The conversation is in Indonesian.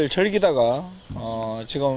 kami lebih ingin menikmati pertandingan